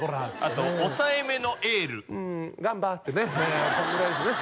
あと抑えめのエールうん「ガンバ」ってねこんぐらいでしょうね